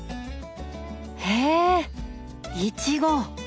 へえイチゴ！